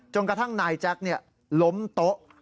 กระทั่งนายแจ๊คล้มโต๊ะ